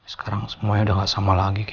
sekarang semuanya udah gak sama lagi kayak dulu